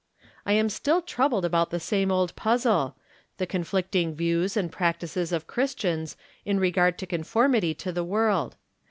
I am still troubled about the same old puzzle — the conflicting views and practices of Christians in regard to conformity to the world.